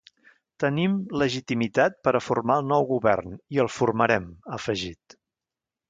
Tenim legitimitat per a formar el nou govern i el formarem, ha afegit.